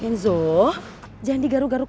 kenzo jangan bergerak gerak